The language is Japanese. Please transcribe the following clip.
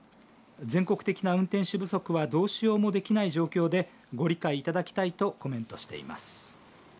全国的な運転手不足はどうしようもできない状況でご理解いただきたいとコメントしています。